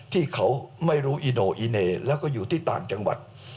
ที่เขาไม่รู้อิโน่อีเน่แล้วก็อยู่ที่ต่างจังหวัด